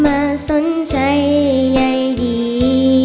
มาสนใจใยดี